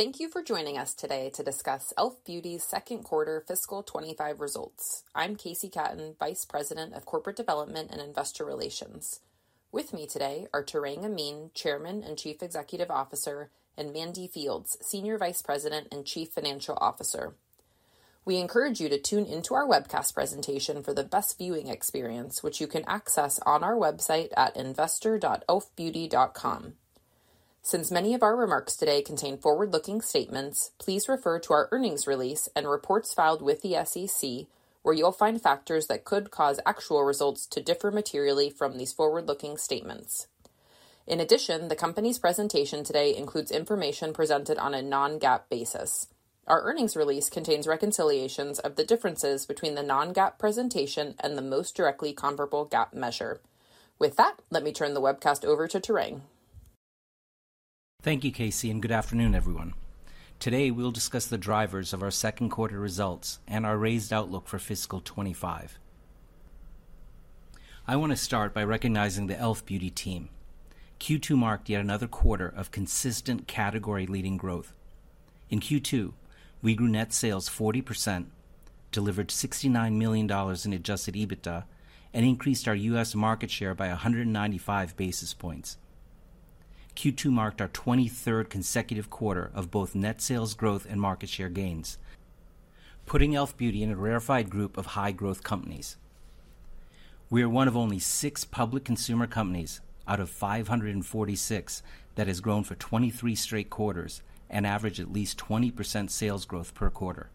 Thank you for joining us today to discuss e.l.f. Beauty's second quarter fiscal '25 results. I'm KC Katten, Vice President of Corporate Development and Investor Relations. With me today are Tarang Amin, Chairman and Chief Executive Officer, and Mandy Fields, Senior Vice President and Chief Financial Officer. We encourage you to tune into our webcast presentation for the best viewing experience, which you can access on our website at investor.elfbeauty.com. Since many of our remarks today contain forward-looking statements, please refer to our earnings release and reports filed with the SEC, where you'll find factors that could cause actual results to differ materially from these forward-looking statements. In addition, the company's presentation today includes information presented on a non-GAAP basis. Our earnings release contains reconciliations of the differences between the non-GAAP presentation and the most directly comparable GAAP measure. With that, let me turn the webcast over to Tarang. Thank you, KC, and good afternoon, everyone. Today we'll discuss the drivers of our second quarter results and our raised outlook for fiscal 2025. I want to start by recognizing the e.l.f. Beauty team. Q2 marked yet another quarter of consistent category-leading growth. In Q2, we grew net sales 40%, delivered $69 million in Adjusted EBITDA, and increased our U.S. market share by 195 basis points. Q2 marked our 23rd consecutive quarter of both net sales growth and market share gains, putting e.l.f. Beauty in a rarefied group of high-growth companies. We are one of only six public consumer companies out of 546 that has grown for 23 straight quarters and averaged at least 20% sales growth per quarter.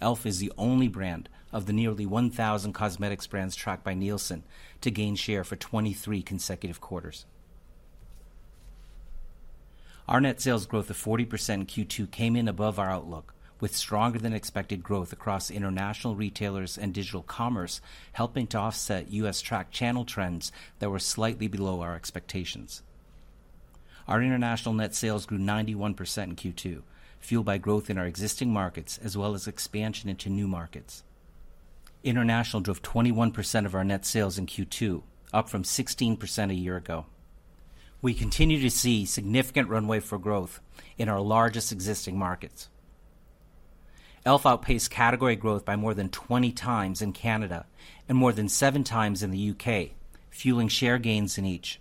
e.l.f. is the only brand of the nearly 1,000 cosmetics brands tracked by Nielsen to gain share for 23 consecutive quarters. Our net sales growth of 40% in Q2 came in above our outlook, with stronger-than-expected growth across international retailers and digital commerce helping to offset U.S. tracked channel trends that were slightly below our expectations. Our international net sales grew 91% in Q2, fueled by growth in our existing markets as well as expansion into new markets. International drove 21% of our net sales in Q2, up from 16% a year ago. We continue to see significant runway for growth in our largest existing markets. e.l.f. outpaced category growth by more than 20 times in Canada and more than 7 times in the U.K., fueling share gains in each.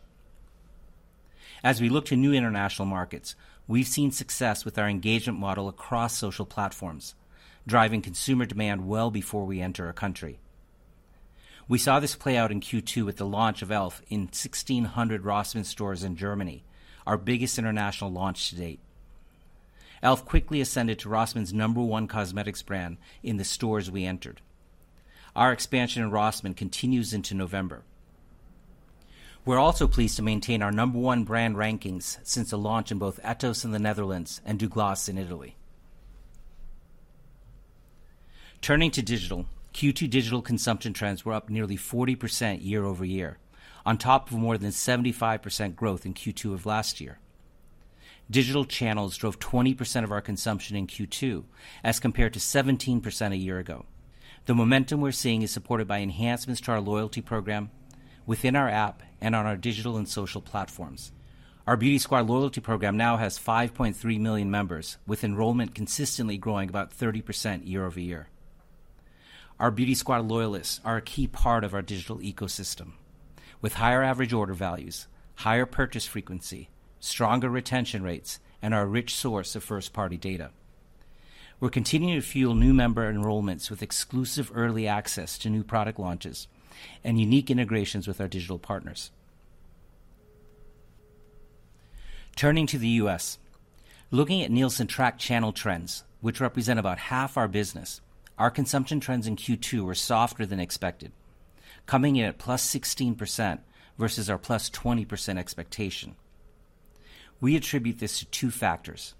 As we look to new international markets, we've seen success with our engagement model across social platforms, driving consumer demand well before we enter a country. We saw this play out in Q2 with the launch of e.l.f. in 1,600 Rossmann stores in Germany, our biggest international launch to date. e.l.f. quickly ascended to Rossmann's number one cosmetics brand in the stores we entered. Our expansion in Rossmann continues into November. We're also pleased to maintain our number one brand rankings since the launch in both Etos in the Netherlands and Douglas in Italy. Turning to digital, Q2 digital consumption trends were up nearly 40% year over year, on top of more than 75% growth in Q2 of last year. Digital channels drove 20% of our consumption in Q2 as compared to 17% a year ago. The momentum we're seeing is supported by enhancements to our loyalty program within our app and on our digital and social platforms. Our Beauty Squad loyalty program now has 5.3 million members, with enrollment consistently growing about 30% year over year. Our Beauty Squad loyalists are a key part of our digital ecosystem, with higher average order values, higher purchase frequency, stronger retention rates, and our rich source of first-party data. We're continuing to fuel new member enrollments with exclusive early access to new product launches and unique integrations with our digital partners. Turning to the U.S., looking at Nielsen tracked channel trends, which represent about half our business, our consumption trends in Q2 were softer than expected, coming in at +16% versus our +20% expectation. We attribute this to two factors.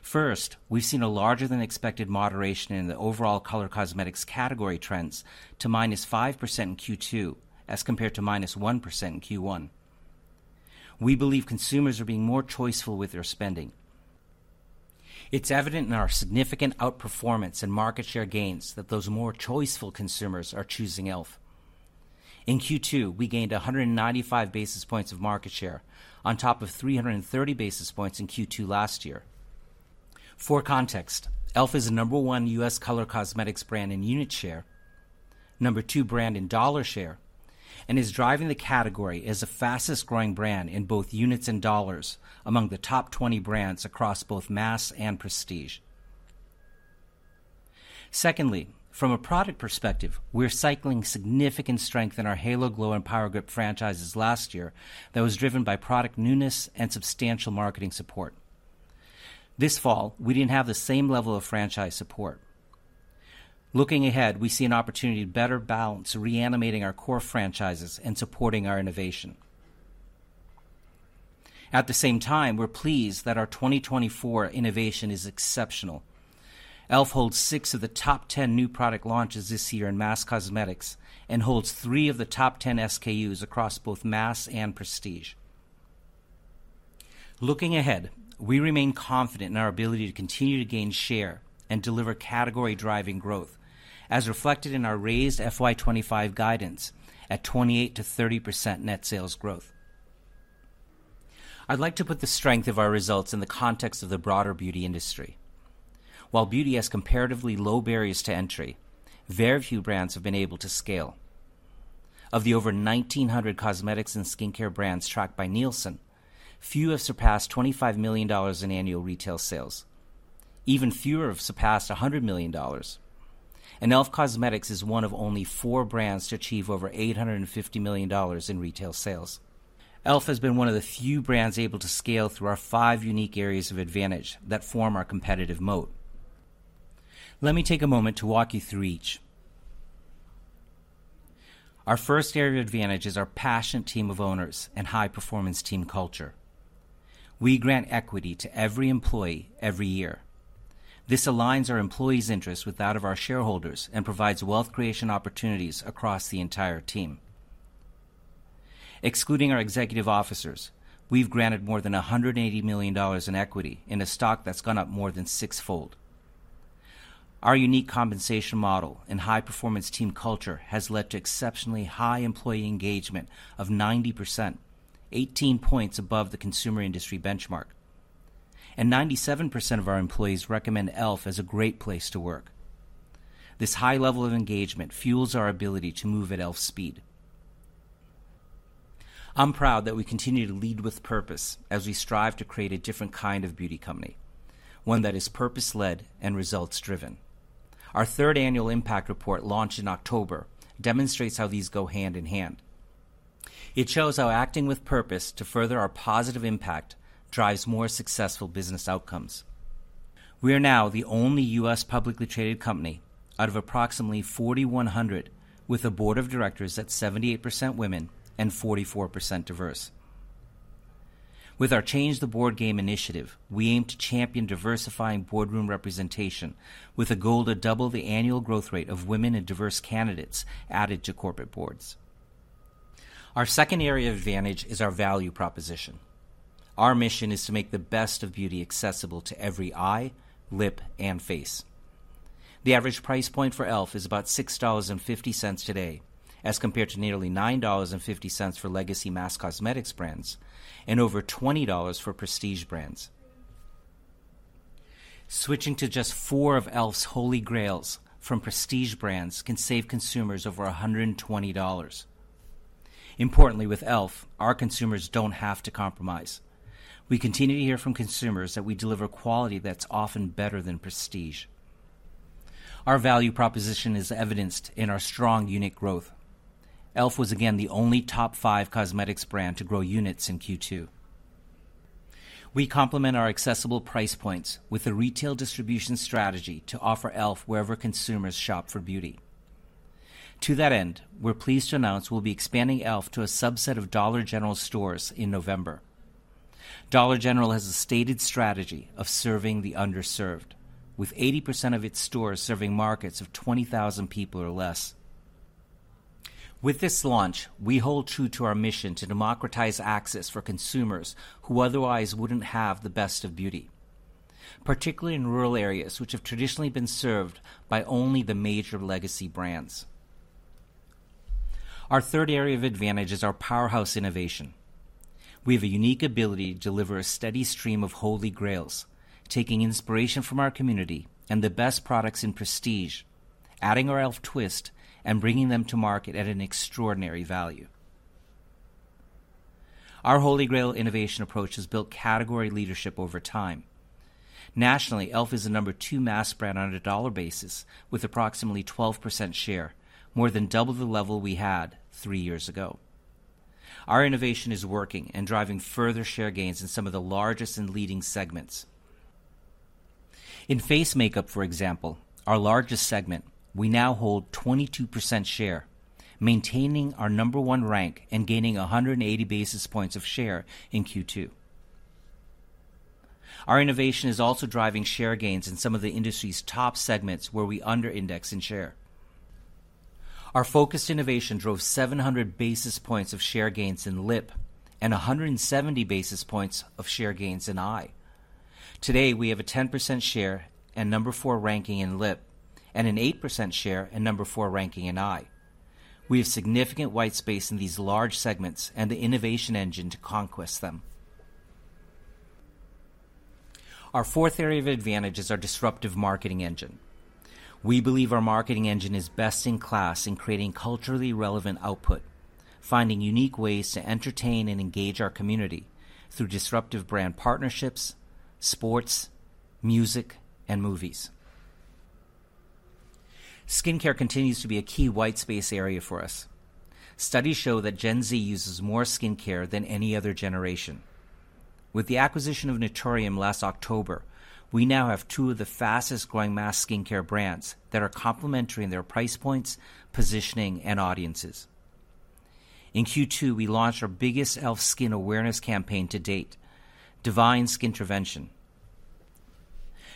First, we've seen a larger-than-expected moderation in the overall color cosmetics category trends to -5% in Q2 as compared to -1% in Q1. We believe consumers are being more choiceful with their spending. It's evident in our significant outperformance and market share gains that those more choiceful consumers are choosing e.l.f. In Q2, we gained 195 basis points of market share, on top of 330 basis points in Q2 last year. For context, e.l.f. is the number one U.S. color cosmetics brand in unit share, number two brand in dollar share, and is driving the category as the fastest-growing brand in both units and dollars among the top 20 brands across both mass and prestige. Secondly, from a product perspective, we're cycling significant strength in our Halo Glow, and Power Grip franchises last year that was driven by product newness and substantial marketing support. This fall, we didn't have the same level of franchise support. Looking ahead, we see an opportunity to better balance reanimating our core franchises and supporting our innovation. At the same time, we're pleased that our 2024 innovation is exceptional. e.l.f. holds six of the top 10 new product launches this year in mass cosmetics and holds three of the top 10 SKUs across both mass and prestige. Looking ahead, we remain confident in our ability to continue to gain share and deliver category-driving growth, as reflected in our raised FY25 guidance at 28%-30% net sales growth. I'd like to put the strength of our results in the context of the broader beauty industry. While beauty has comparatively low barriers to entry, very few brands have been able to scale. Of the over 1,900 cosmetics and skincare brands tracked by Nielsen, few have surpassed $25 million in annual retail sales. Even fewer have surpassed $100 million. And e.l.f. Cosmetics is one of only four brands to achieve over $850 million in retail sales. e.l.f. has been one of the few brands able to scale through our five unique areas of advantage that form our competitive moat. Let me take a moment to walk you through each. Our first area of advantage is our passionate team of owners and high-performance team culture. We grant equity to every employee every year. This aligns our employees' interests with that of our shareholders and provides wealth creation opportunities across the entire team. Excluding our executive officers, we've granted more than $180 million in equity in a stock that's gone up more than sixfold. Our unique compensation model and high-performance team culture has led to exceptionally high employee engagement of 90%, 18 points above the consumer industry benchmark. And 97% of our employees recommend e.l.f. as a great place to work. This high level of engagement fuels our ability to move at e.l.f. speed. I'm proud that we continue to lead with purpose as we strive to create a different kind of beauty company, one that is purpose-led and results-driven. Our third annual impact report, launched in October, demonstrates how these go hand in hand. It shows how acting with purpose to further our positive impact drives more successful business outcomes. We are now the only U.S. publicly traded company out of approximately 4,100, with a board of directors at 78% women and 44% diverse. With our Change the Board Game initiative, we aim to champion diversifying boardroom representation with a goal to double the annual growth rate of women and diverse candidates added to corporate boards. Our second area of advantage is our value proposition. Our mission is to make the best of beauty accessible to every eye, lip, and face. The average price point for e.l.f. is about $6.50 today, as compared to nearly $9.50 for legacy mass cosmetics brands and over $20 for prestige brands. Switching to just four of e.l.f.'s holy grails from prestige brands can save consumers over $120. Importantly, with e.l.f., our consumers don't have to compromise. We continue to hear from consumers that we deliver quality that's often better than prestige. Our value proposition is evidenced in our strong unit growth. e.l.f. was again the only top five cosmetics brand to grow units in Q2. We complement our accessible price points with a retail distribution strategy to offer e.l.f. wherever consumers shop for beauty. To that end, we're pleased to announce we'll be expanding e.l.f. to a subset of Dollar General stores in November. Dollar General has a stated strategy of serving the underserved, with 80% of its stores serving markets of 20,000 people or less. With this launch, we hold true to our mission to democratize access for consumers who otherwise wouldn't have the best of beauty, particularly in rural areas which have traditionally been served by only the major legacy brands. Our third area of advantage is our powerhouse innovation. We have a unique ability to deliver a steady stream of holy grails, taking inspiration from our community and the best products in prestige, adding our e.l.f. twist, and bringing them to market at an extraordinary value. Our holy grail innovation approach has built category leadership over time. Nationally, e.l.f. is the number two mass brand on a dollar basis, with approximately 12% share, more than double the level we had three years ago. Our innovation is working and driving further share gains in some of the largest and leading segments. In face makeup, for example, our largest segment, we now hold 22% share, maintaining our number one rank and gaining 180 basis points of share in Q2. Our innovation is also driving share gains in some of the industry's top segments where we under-index in share. Our focused innovation drove 700 basis points of share gains in lip and 170 basis points of share gains in eye. Today, we have a 10% share and number four ranking in lip and an 8% share and number four ranking in eye. We have significant white space in these large segments and the innovation engine to conquest them. Our fourth area of advantage is our disruptive marketing engine. We believe our marketing engine is best in class in creating culturally relevant output, finding unique ways to entertain and engage our community through disruptive brand partnerships, sports, music, and movies. Skincare continues to be a key white space area for us. Studies show that Gen Z uses more skincare than any other generation. With the acquisition of Naturium last October, we now have two of the fastest-growing mass skincare brands that are complementary in their price points, positioning, and audiences. In Q2, we launched our biggest e.l.f. Skin awareness campaign to date, Divine Skin Intervention.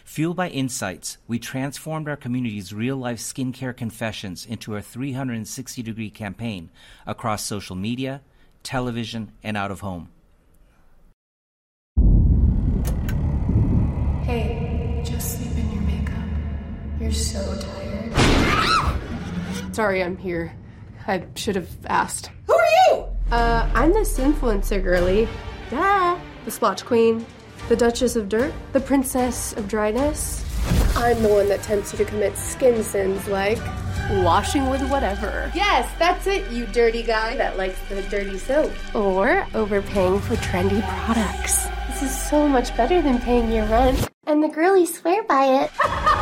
Fueled by insights, we transformed our community's real-life skincare confessions into a 360-degree campaign across social media, television, and out of home. Hey, just sleep in your makeup. You're so tired. Sorry, I'm here. I should have asked. Who are you? I'm this influencer girly. Duh, the splotch queen, the Duchess of Dirt, the Princess of Dryness. I'm the one that tempts you to commit skin sins like washing with whatever. Yes, that's it, you dirty guy that likes the dirty soap. Or overpaying for trendy products. This is so much better than paying your rent. And the girlies swear by it. So sleep in your makeup.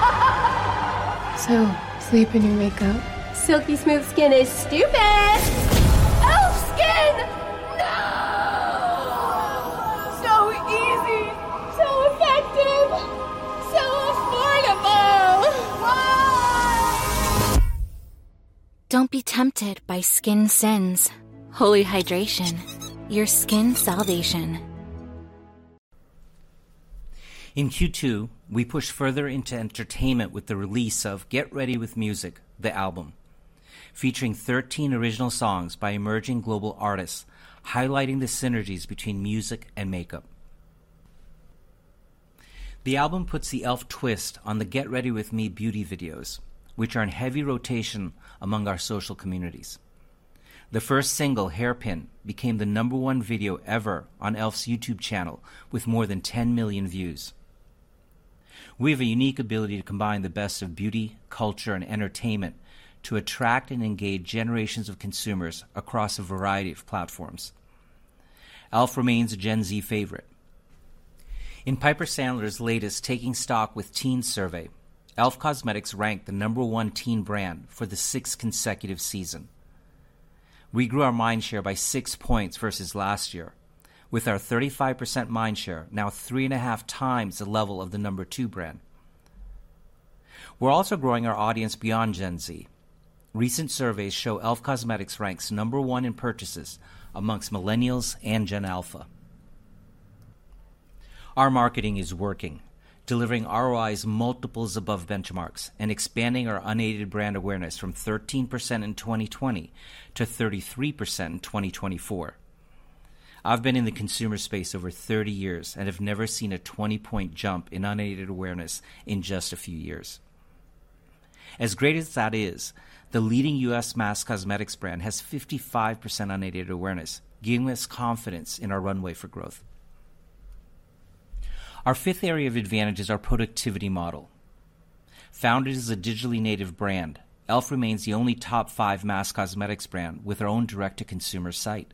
Silky smooth skin is stupid. e.l.f. Skin, no. So easy, so effective, so affordable. Why? Don't be tempted by skin sins. Holy Hydration!, your skin salvation. In Q2, we push further into entertainment with the release of Get Ready With Music, the album, featuring 13 original songs by emerging global artists, highlighting the synergies between music and makeup. The album puts the e.l.f. twist on the Get Ready With Me beauty videos, which are in heavy rotation among our social communities. The first single, Hairpin, became the number one video ever on e.l.f.'s YouTube channel with more than 10 million views. We have a unique ability to combine the best of beauty, culture, and entertainment to attract and engage generations of consumers across a variety of platforms. e.l.f. remains a Gen Z favorite. In Piper Sandler’s latest Taking Stock with Teens survey, e.l.f. Cosmetics ranked the number one teen brand for the sixth consecutive season. We grew our mind share by six points versus last year, with our 35% mind share now three and a half times the level of the number two brand. We're also growing our audience beyond Gen Z. Recent surveys show e.l.f. Cosmetics ranks number one in purchases amongst millennials and Gen Alpha. Our marketing is working, delivering ROIs multiples above benchmarks and expanding our unaided brand awareness from 13% in 2020 to 33% in 2024. I've been in the consumer space over 30 years and have never seen a 20-point jump in unaided awareness in just a few years. As great as that is, the leading U.S. mass cosmetics brand has 55% unaided awareness, giving us confidence in our runway for growth. Our fifth area of advantage is our productivity model. Founded as a digitally native brand, e.l.f. remains the only top five mass cosmetics brand with our own direct-to-consumer site.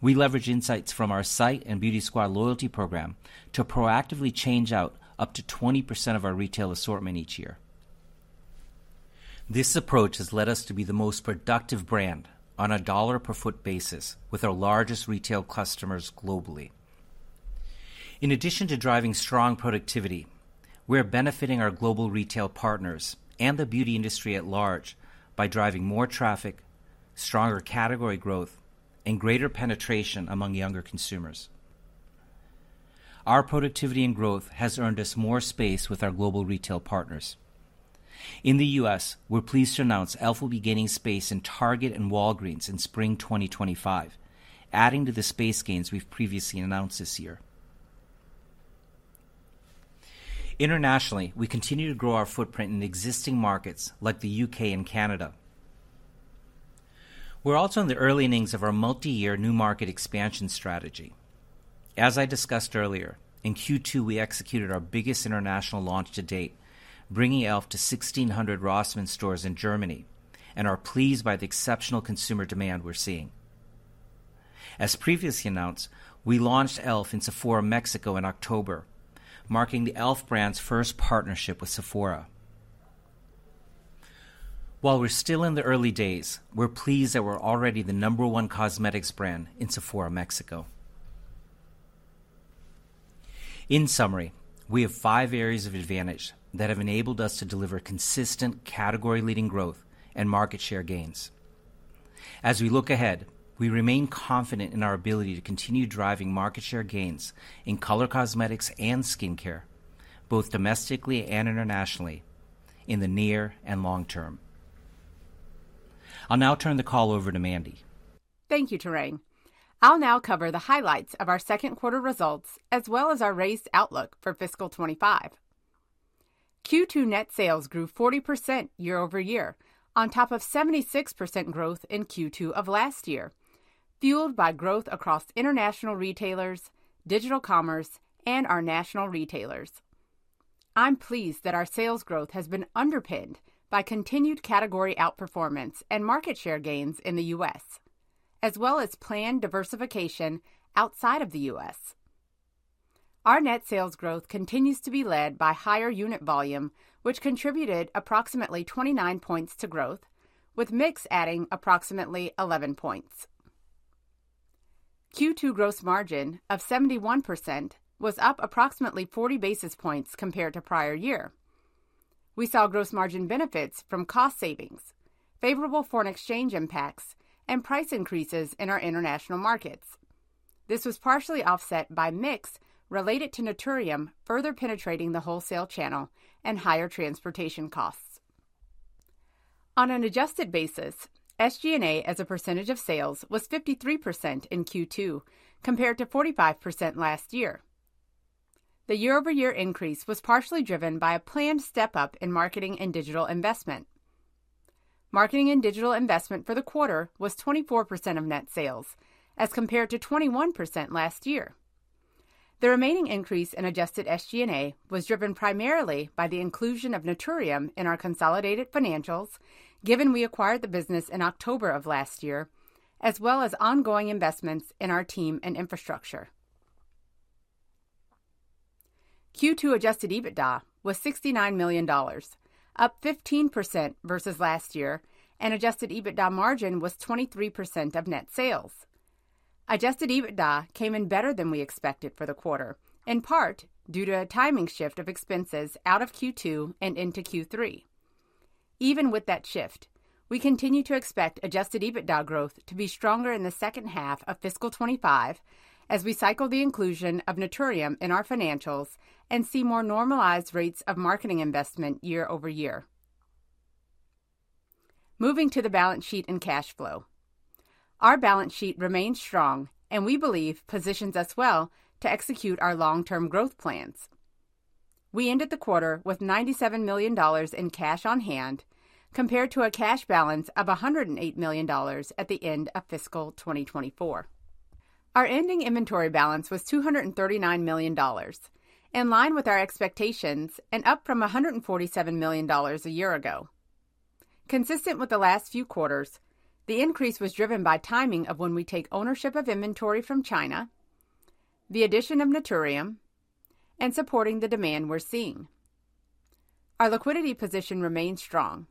We leverage insights from our site and Beauty Squad loyalty program to proactively change out up to 20% of our retail assortment each year. This approach has led us to be the most productive brand on a dollar-per-foot basis with our largest retail customers globally. In addition to driving strong productivity, we are benefiting our global retail partners and the beauty industry at large by driving more traffic, stronger category growth, and greater penetration among younger consumers. Our productivity and growth has earned us more space with our global retail partners. In the U.S., we're pleased to announce e.l.f. will be gaining space in Target and Walgreens in spring 2025, adding to the space gains we've previously announced this year. Internationally, we continue to grow our footprint in existing markets like the U.K. and Canada. We're also in the early innings of our multi-year new market expansion strategy. As I discussed earlier, in Q2, we executed our biggest international launch to date, bringing e.l.f. to 1,600 Rossmann stores in Germany and are pleased by the exceptional consumer demand we're seeing. As previously announced, we launched e.l.f. in Sephora Mexico in October, marking the e.l.f. brand's first partnership with Sephora. While we're still in the early days, we're pleased that we're already the number one cosmetics brand in Sephora, Mexico. In summary, we have five areas of advantage that have enabled us to deliver consistent category-leading growth and market share gains. As we look ahead, we remain confident in our ability to continue driving market share gains in color cosmetics and skincare, both domestically and internationally, in the near and long term. I'll now turn the call over to Mandy. Thank you, Tarang. I'll now cover the highlights of our second quarter results as well as our raised outlook for Fiscal 2025. Q2 net sales grew 40% year over year on top of 76% growth in Q2 of last year, fueled by growth across international retailers, digital commerce, and our national retailers. I'm pleased that our sales growth has been underpinned by continued category outperformance and market share gains in the U.S., as well as planned diversification outside of the U.S. Our net sales growth continues to be led by higher unit volume, which contributed approximately 29 points to growth, with mix adding approximately 11 points. Q2 gross margin of 71% was up approximately 40 basis points compared to prior year. We saw gross margin benefits from cost savings, favorable foreign exchange impacts, and price increases in our international markets. This was partially offset by mix related to Naturium further penetrating the wholesale channel and higher transportation costs. On an adjusted basis, SG&A as a percentage of sales was 53% in Q2 compared to 45% last year. The year-over-year increase was partially driven by a planned step-up in marketing and digital investment. Marketing and digital investment for the quarter was 24% of net sales as compared to 21% last year. The remaining increase in adjusted SG&A was driven primarily by the inclusion of Naturium in our consolidated financials, given we acquired the business in October of last year, as well as ongoing investments in our team and infrastructure. Q2 adjusted EBITDA was $69 million, up 15% versus last year, and adjusted EBITDA margin was 23% of net sales. Adjusted EBITDA came in better than we expected for the quarter, in part due to a timing shift of expenses out of Q2 and into Q3. Even with that shift, we continue to expect adjusted EBITDA growth to be stronger in the second half of fiscal 2025 as we cycle the inclusion of Naturium in our financials and see more normalized rates of marketing investment year over year. Moving to the balance sheet and cash flow. Our balance sheet remains strong, and we believe positions us well to execute our long-term growth plans. We ended the quarter with $97 million in cash on hand compared to a cash balance of $108 million at the end of fiscal 2024. Our ending inventory balance was $239 million, in line with our expectations and up from $147 million a year ago. Consistent with the last few quarters, the increase was driven by timing of when we take ownership of inventory from China, the addition of Naturium, and supporting the demand we're seeing. Our liquidity position remains strong.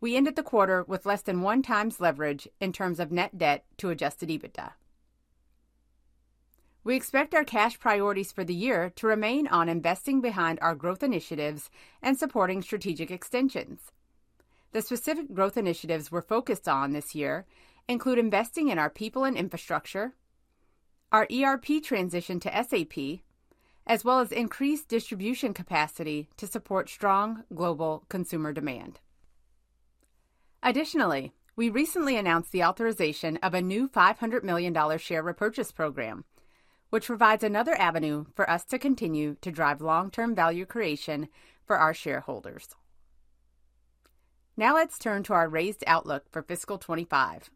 We ended the quarter with less than one times leverage in terms of net debt to adjusted EBITDA. We expect our cash priorities for the year to remain on investing behind our growth initiatives and supporting strategic extensions. The specific growth initiatives we're focused on this year include investing in our people and infrastructure, our ERP transition to SAP, as well as increased distribution capacity to support strong global consumer demand. Additionally, we recently announced the authorization of a new $500 million share repurchase program, which provides another avenue for us to continue to drive long-term value creation for our shareholders. Now let's turn to our raised outlook for Fiscal 2025.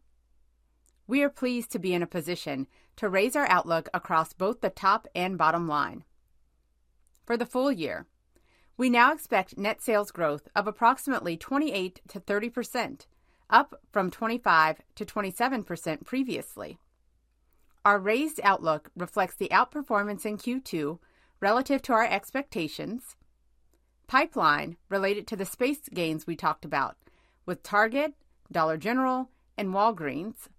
We are pleased to be in a position to raise our outlook across both the top and bottom line. For the full year, we now expect net sales growth of approximately 28%-30%, up from 25%-27% previously. Our raised outlook reflects the outperformance in Q2 relative to our expectations, pipeline related to the space gains we talked about with Target, Dollar General, and Walgreens,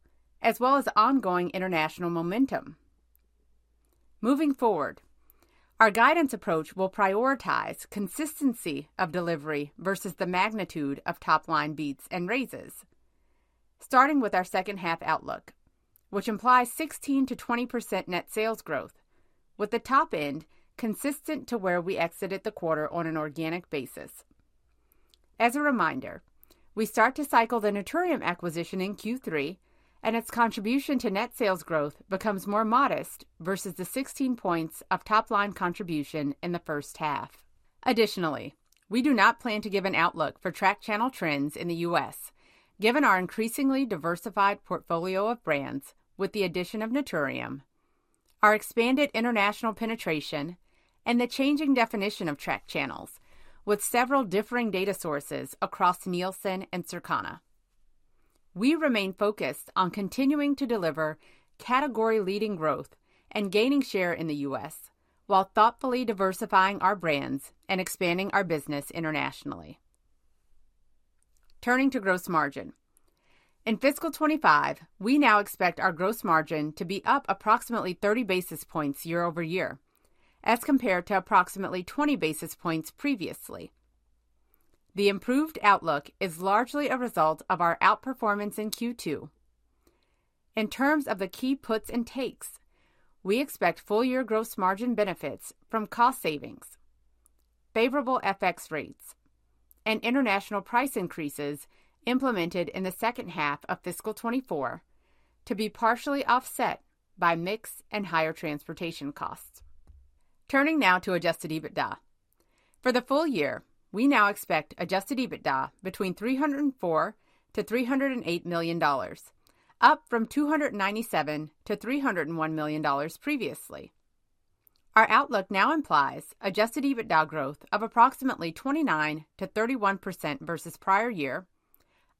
as well as ongoing international momentum. Moving forward, our guidance approach will prioritize consistency of delivery versus the magnitude of top-line beats and raises. Starting with our second-half outlook, which implies 16%-20% net sales growth, with the top end consistent to where we exited the quarter on an organic basis. As a reminder, we start to cycle the Naturium acquisition in Q3, and its contribution to net sales growth becomes more modest versus the 16 points of top-line contribution in the first half. Additionally, we do not plan to give an outlook for tracked channel trends in the U.S., given our increasingly diversified portfolio of brands with the addition of Naturium, our expanded international penetration, and the changing definition of tracked channels with several differing data sources across Nielsen and Circana. We remain focused on continuing to deliver category-leading growth and gaining share in the U.S. while thoughtfully diversifying our brands and expanding our business internationally. Turning to gross margin. In fiscal 25, we now expect our gross margin to be up approximately 30 basis points year over year as compared to approximately 20 basis points previously. The improved outlook is largely a result of our outperformance in Q2. In terms of the key puts and takes, we expect full-year gross margin benefits from cost savings, favorable FX rates, and international price increases implemented in the second half of fiscal 24 to be partially offset by mix and higher transportation costs. Turning now to Adjusted EBITDA. For the full year, we now expect Adjusted EBITDA between $304 million-$308 million, up from $297 million-$301 million previously. Our outlook now implies Adjusted EBITDA growth of approximately 29%-31% versus prior year,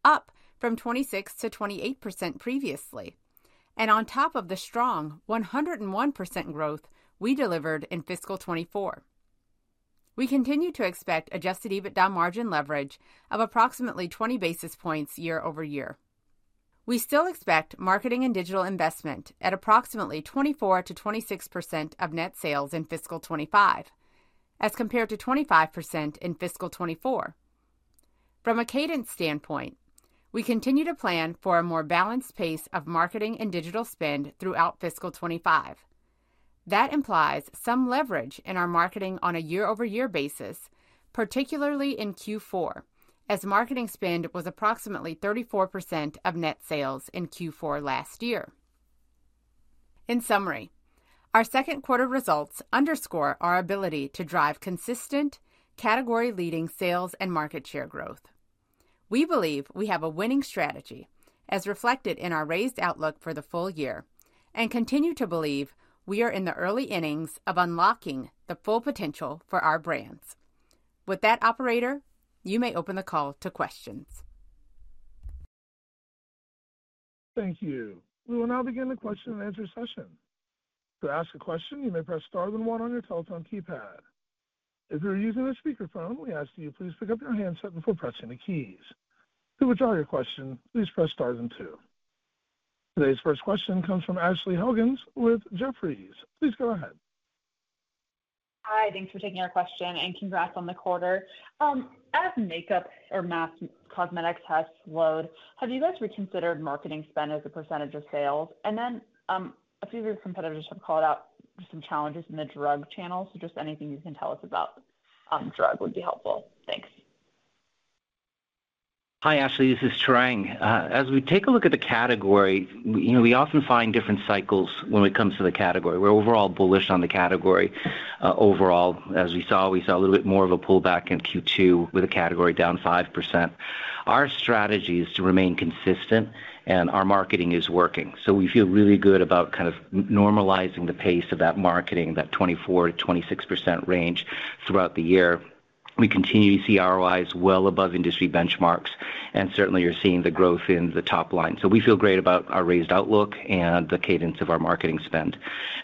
up from 26%-28% previously, and on top of the strong 101% growth we delivered in fiscal 2024. We continue to expect Adjusted EBITDA margin leverage of approximately 20 basis points year over year. We still expect marketing and digital investment at approximately 24%-26% of net sales in fiscal 2025 as compared to 25% in fiscal 2024. From a cadence standpoint, we continue to plan for a more balanced pace of marketing and digital spend throughout fiscal 2025. That implies some leverage in our marketing on a year-over-year basis, particularly in Q4, as marketing spend was approximately 34% of net sales in Q4 last year. In summary, our second quarter results underscore our ability to drive consistent category-leading sales and market share growth. We believe we have a winning strategy as reflected in our raised outlook for the full year and continue to believe we are in the early innings of unlocking the full potential for our brands. With that, operator, you may open the call to questions. Thank you. We will now begin the question and answer session. To ask a question, you may press star then one on your telephone keypad. If you're using a speakerphone, we ask that you please pick up your handset before pressing the keys. To withdraw your question, please press star then two. Today's first question comes from Ashley Helgans with Jefferies. Please go ahead. Hi. Thanks for taking our question and congrats on the quarter. As mass cosmetics have slowed, have you guys reconsidered marketing spend as a percentage of sales? And then a few of your competitors have called out some challenges in the drug channel, so just anything you can tell us about drug would be helpful. Thanks. Hi, Ashley. This is Tarang. As we take a look at the category, we often find different cycles when it comes to the category. We're overall bullish on the category. Overall, as we saw, a little bit more of a pullback in Q2 with the category down 5%. Our strategy is to remain consistent, and our marketing is working. So we feel really good about kind of normalizing the pace of that marketing, that 24%-26% range throughout the year. We continue to see ROIs well above industry benchmarks, and certainly you're seeing the growth in the top line. So we feel great about our raised outlook and the cadence of our marketing spend.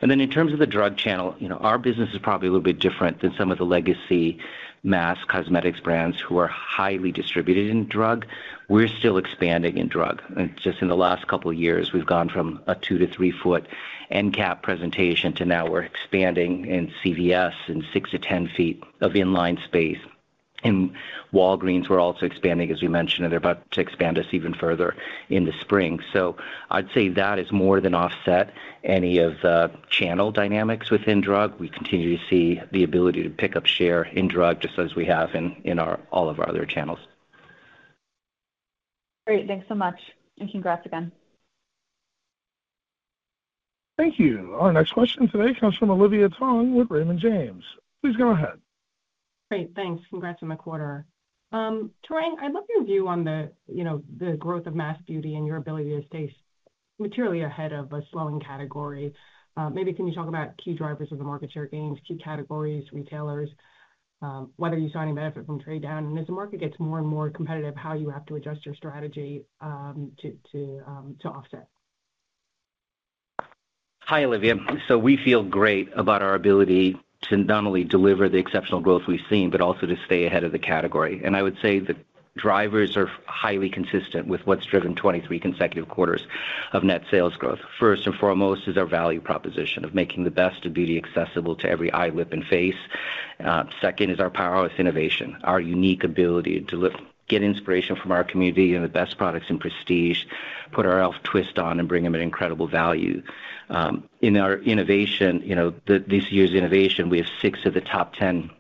In terms of the drug channel, our business is probably a little bit different than some of the legacy mass cosmetics brands who are highly distributed in drug. We're still expanding in drug. Just in the last couple of years, we've gone from a two- to three-foot end cap presentation to now we're expanding in CVS and six to 10 feet of inline space. In Walgreens, we're also expanding, as we mentioned, and they're about to expand us even further in the spring. So I'd say that is more than offset any of the channel dynamics within drug. We continue to see the ability to pick up share in drug just as we have in all of our other channels. Great. Thanks so much. And congrats again. Thank you. Our next question today comes from Olivia Tong with Raymond James. Please go ahead. Great. Thanks. Congrats on the quarter. Tarang, I'd love your view on the growth of mass beauty and your ability to stay materially ahead of a slowing category. Maybe can you talk about key drivers of the market share gains, key categories, retailers, whether you saw any benefit from trade down, and as the market gets more and more competitive, how you have to adjust your strategy to offset? Hi, Olivia. So we feel great about our ability to not only deliver the exceptional growth we've seen, but also to stay ahead of the category. And I would say the drivers are highly consistent with what's driven 23 consecutive quarters of net sales growth. First and foremost is our value proposition of making the best of beauty accessible to every eye, lip, and face. Second is our power with innovation, our unique ability to get inspiration from our community and the best products and prestige, put our e.l.f. twist on, and bring them an incredible value. In our innovation, this year's innovation, we have six of the top 10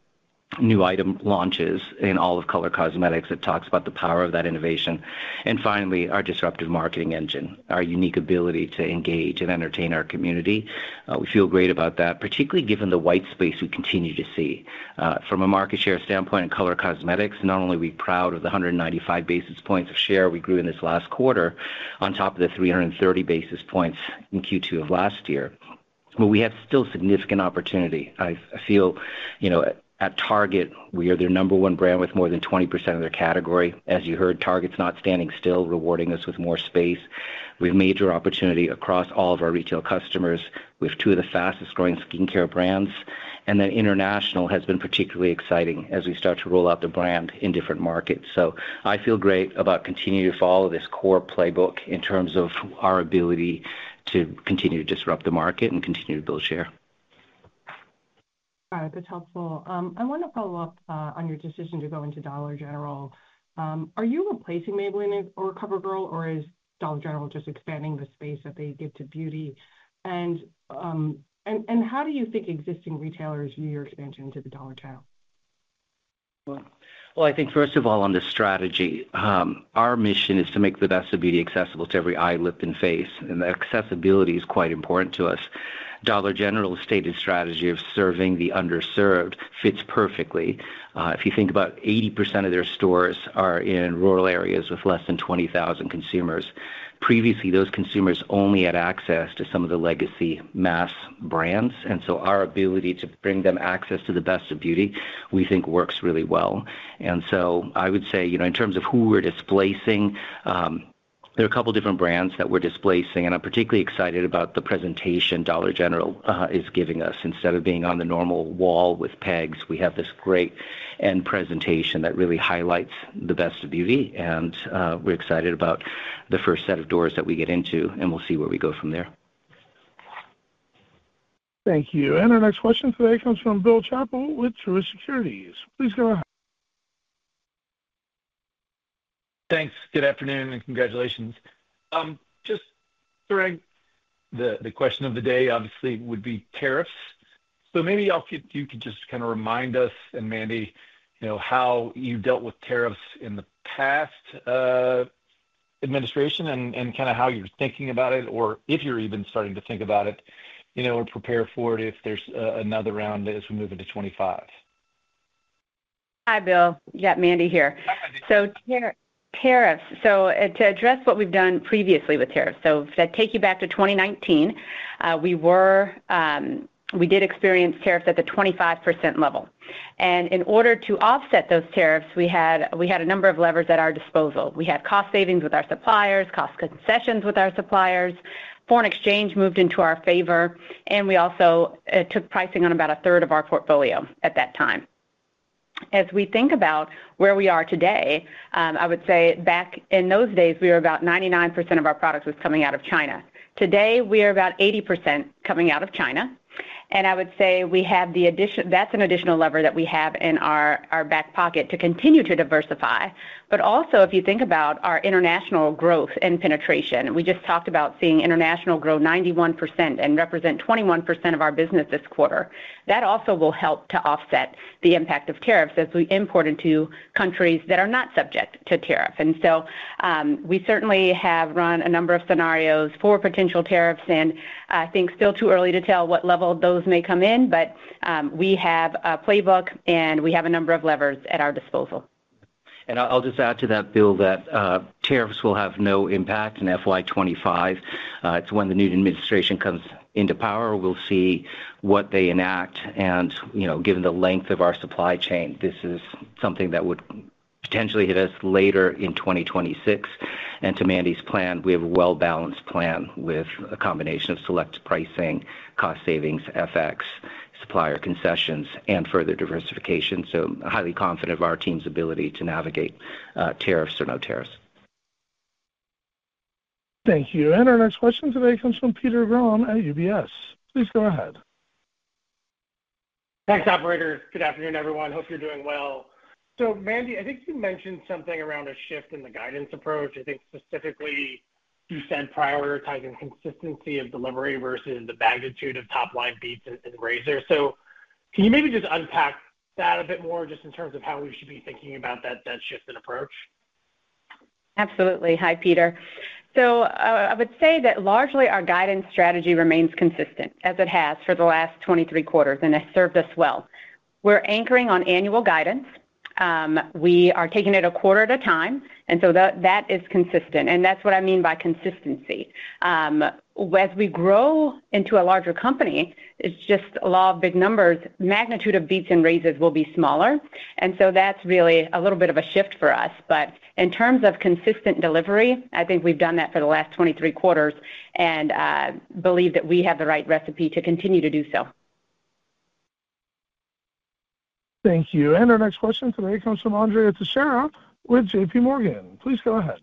new item launches in all of color cosmetics that talks about the power of that innovation. And finally, our disruptive marketing engine, our unique ability to engage and entertain our community. We feel great about that, particularly given the white space we continue to see. From a market share standpoint in color cosmetics, not only are we proud of the 195 basis points of share we grew in this last quarter on top of the 330 basis points in Q2 of last year, but we have still significant opportunity. I feel at Target, we are their number one brand with more than 20% of their category. As you heard, Target's not standing still, rewarding us with more space. We have major opportunity across all of our retail customers. We have two of the fastest-growing skincare brands. And then international has been particularly exciting as we start to roll out the brand in different markets. So I feel great about continuing to follow this core playbook in terms of our ability to continue to disrupt the market and continue to build share. That's helpful. I want to follow up on your decision to go into Dollar General. Are you replacing Maybelline or CoverGirl, or is Dollar General just expanding the space that they give to beauty? And how do you think existing retailers view your expansion into the dollar channel? I think first of all, on the strategy, our mission is to make the best of beauty accessible to every eye, lip, and face. And the accessibility is quite important to us. Dollar General's stated strategy of serving the underserved fits perfectly. If you think about 80% of their stores are in rural areas with less than 20,000 consumers. Previously, those consumers only had access to some of the legacy mass brands. And so our ability to bring them access to the best of beauty, we think works really well. And so I would say in terms of who we're displacing, there are a couple of different brands that we're displacing. And I'm particularly excited about the presentation Dollar General is giving us. Instead of being on the normal wall with pegs, we have this great endcap presentation that really highlights the best of beauty. We're excited about the first set of doors that we get into, and we'll see where we go from there. Thank you. Our next question today comes from Bill Chappell with Truist Securities. Please go ahead. Thanks. Good afternoon and congratulations. Just to bring the question of the day, obviously, would be tariffs. So maybe you could just kind of remind us and Mandy how you dealt with tariffs in the past administration and kind of how you're thinking about it, or if you're even starting to think about it or prepare for it if there's another round as we move into 2025. Hi, Bill. Yep, Mandy here. Tariffs, so to address what we've done previously with tariffs, so to take you back to 2019, we did experience tariffs at the 25% level. In order to offset those tariffs, we had a number of levers at our disposal. We had cost savings with our suppliers, cost concessions with our suppliers, foreign exchange moved into our favor, and we also took pricing on about a third of our portfolio at that time. As we think about where we are today, I would say back in those days, we were about 99% of our products was coming out of China. Today, we are about 80% coming out of China. And I would say that's an additional lever that we have in our back pocket to continue to diversify. But also, if you think about our international growth and penetration, we just talked about seeing international grow 91% and represent 21% of our business this quarter. That also will help to offset the impact of tariffs as we import into countries that are not subject to tariff. And so we certainly have run a number of scenarios for potential tariffs, and I think still too early to tell what level those may come in, but we have a playbook and we have a number of levers at our disposal. And I'll just add to that, Bill, that tariffs will have no impact in FY25. It's when the new administration comes into power. We'll see what they enact. And given the length of our supply chain, this is something that would potentially hit us later in 2026. And to Mandy's plan, we have a well-balanced plan with a combination of select pricing, cost savings, FX, supplier concessions, and further diversification. So I'm highly confident of our team's ability to navigate tariffs or no tariffs. Thank you. Our next question today comes from Peter Grom at UBS. Please go ahead. Thanks, operator. Good afternoon, everyone. Hope you're doing well. Mandy, I think you mentioned something around a shift in the guidance approach. I think specifically you said prioritizing consistency of delivery versus the magnitude of top line beats and raises. Can you maybe just unpack that a bit more just in terms of how we should be thinking about that shift in approach? Absolutely. Hi, Peter. I would say that largely our guidance strategy remains consistent as it has for the last 23 quarters, and it served us well. We're anchoring on annual guidance. We are taking it a quarter at a time, and so that is consistent. That's what I mean by consistency. As we grow into a larger company, it's just a law of big numbers. The magnitude of beats and raises will be smaller. And so that's really a little bit of a shift for us. But in terms of consistent delivery, I think we've done that for the last 23 quarters and believe that we have the right recipe to continue to do so. Thank you. And our next question today comes from Andrea Teixeira with J.P. Morgan. Please go ahead.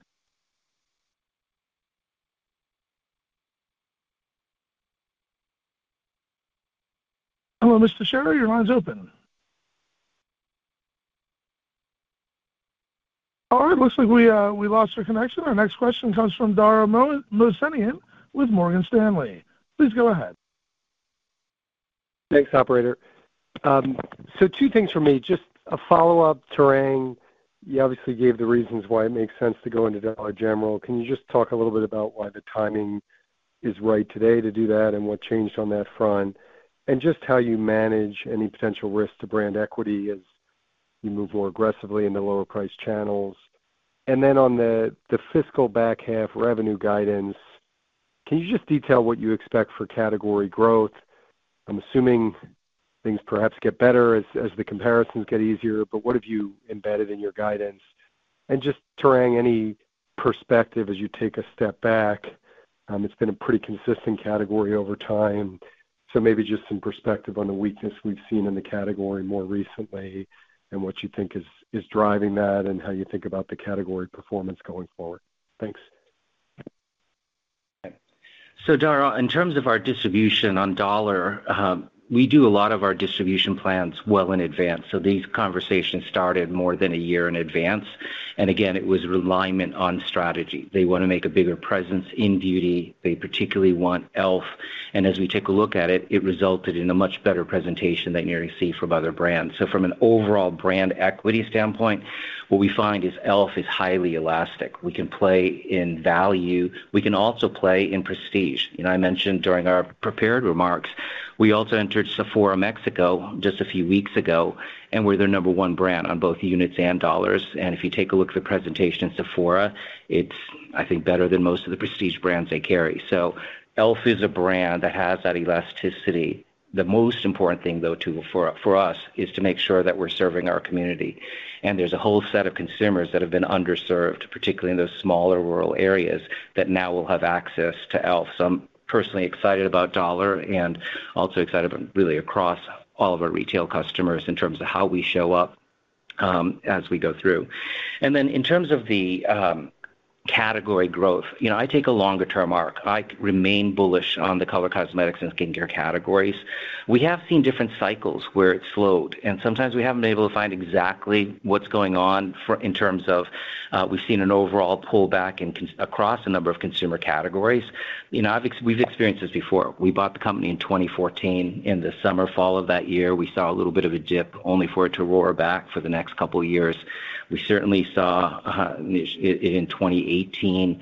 Hello, Mr. Teixeira. Your line's open. All right. Looks like we lost our connection. Our next question comes from Dara Mohsenian with Morgan Stanley. Please go ahead. Thanks, operator. So two things for me. Just a follow-up, Tarang, you obviously gave the reasons why it makes sense to go into Dollar General. Can you just talk a little bit about why the timing is right today to do that and what changed on that front, and just how you manage any potential risk to brand equity as you move more aggressively into lower-priced channels? And then on the fiscal back half revenue guidance, can you just detail what you expect for category growth? I'm assuming things perhaps get better as the comparisons get easier, but what have you embedded in your guidance? And just Tarang, any perspective as you take a step back? It's been a pretty consistent category over time. So maybe just some perspective on the weakness we've seen in the category more recently and what you think is driving that and how you think about the category performance going forward. Thanks. So, Dara, in terms of our distribution on Dollar General, we do a lot of our distribution plans well in advance. So these conversations started more than a year in advance. And again, it was a refinement on strategy. They want to make a bigger presence in beauty. They particularly want e.l.f. And as we take a look at it, it resulted in a much better presentation than you're going to see from other brands. So from an overall brand equity standpoint, what we find is e.l.f. is highly elastic. We can play in value. We can also play in prestige. I mentioned during our prepared remarks, we also entered Sephora Mexico just a few weeks ago and were their number one brand on both units and dollars. And if you take a look at the presentation in Sephora, it's, I think, better than most of the prestige brands they carry. So e.l.f. is a brand that has that elasticity. The most important thing, though, for us is to make sure that we're serving our community. And there's a whole set of consumers that have been underserved, particularly in those smaller rural areas, that now will have access to e.l.f. So I'm personally excited about Dollar General and also excited about really across all of our retail customers in terms of how we show up as we go through. And then in terms of the category growth, I take a longer-term arc. I remain bullish on the color cosmetics and skincare categories. We have seen different cycles where it slowed. And sometimes we haven't been able to find exactly what's going on in terms of we've seen an overall pullback across a number of consumer categories. We've experienced this before. We bought the company in 2014. In the summer fall of that year, we saw a little bit of a dip, only for it to roar back for the next couple of years. We certainly saw it in 2018,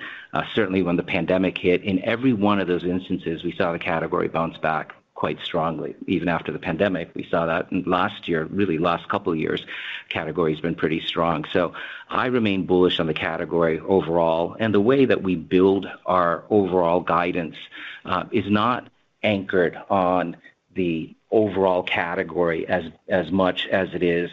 certainly when the pandemic hit. In every one of those instances, we saw the category bounce back quite strongly. Even after the pandemic, we saw that. And last year, really last couple of years, category has been pretty strong. So I remain bullish on the category overall. And the way that we build our overall guidance is not anchored on the overall category as much as it is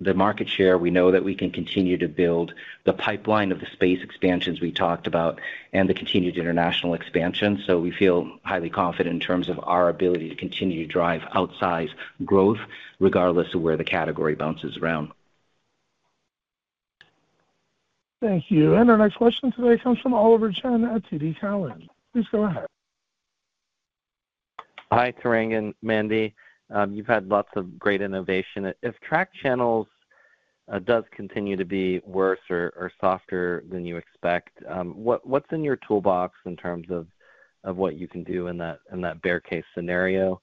the market share. We know that we can continue to build the pipeline of the space expansions we talked about and the continued international expansion. So we feel highly confident in terms of our ability to continue to drive outsized growth regardless of where the category bounces around. Thank you. And our next question today comes from Oliver Chen at TD Cowen. Please go ahead. Hi, Tarang and Mandy. You've had lots of great innovation. If tracked channels do continue to be worse or softer than you expect, what's in your toolbox in terms of what you can do in that bear case scenario?